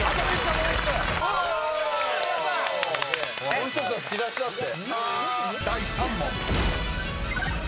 もう１つはしらすだって。